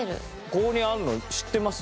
ここにあるの知ってます？